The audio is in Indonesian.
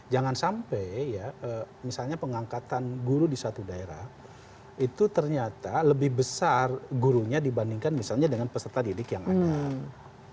jangan sampai ya misalnya pengangkatan guru di satu daerah itu ternyata lebih besar gurunya dibandingkan misalnya dengan peserta didik yang ada